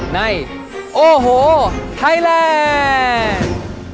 ในโอ้โหไทยแลนด์